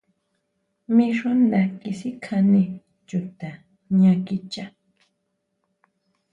Mí xú nda tisikjane chuta ján jña kichá.